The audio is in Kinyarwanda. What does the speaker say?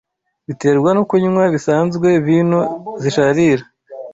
biterwa no kunywa bisanzwe vino zisharira